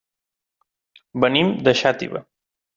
Venim de Xàtiva.